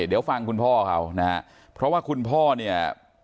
เดี๋ยวฟังคุณพ่อเขานะฮะเพราะว่าคุณพ่อเนี่ย